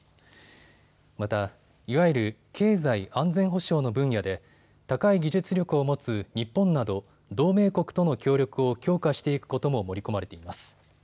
また、いわゆる経済安全保障の分野で高い技術力を持つ日本など同盟国との協力を強化していくことも盛り込まれています。